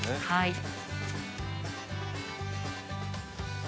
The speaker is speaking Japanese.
はい。